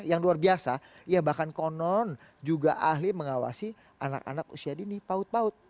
yang luar biasa ya bahkan konon juga ahli mengawasi anak anak usia dini paut paut